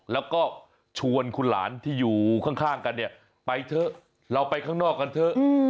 แล้วก็ชวนคุณหลานที่อยู่ข้างกันเนี่ยไปเถอะเราไปข้างนอกกันเถอะ